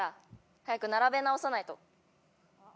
早く並べ直さないと。